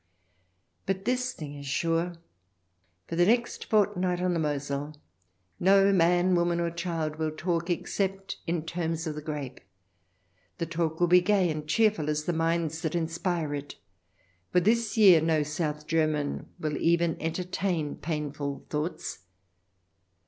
But this thing is sure— for the next fortnight on the Mosel, no man, woman, or child will talk except 320 THE DESIRABLE ALIEN [ch. xxi in terms of the grape. The talk will be gay and cheerful as the minds that inspire it, for this year no South German will even entertain painful thoughts.